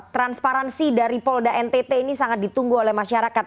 transparansi dari polda ntt ini sangat ditunggu oleh masyarakat